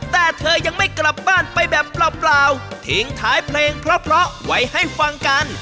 แต่เธอยังไม่กลับบ้านไปแบบเปล่าทิ้งท้ายเพลงเพราะไว้ให้ฟังกัน